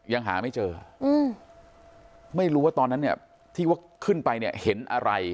ยังหาไม่เจอไม่รู้ว่าตอนนั้นเนี่ยที่ว่าขึ้นไปเนี่ยเห็นอะไร